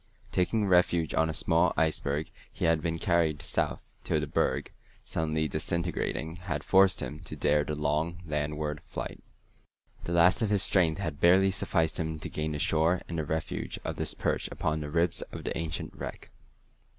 Taking refuge on a small iceberg, he had been carried south till the berg, suddenly disintegrating, had forced him to dare the long landward flight. The last of his strength had barely sufficed him to gain the shore and the refuge of this perch upon the ribs of the ancient wreck.